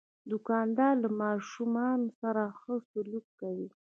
دوکاندار له ماشومان سره ښه سلوک کوي.